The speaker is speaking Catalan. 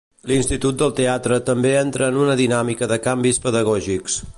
L'Institut del Teatre també entra en una dinàmica de canvis pedagògics.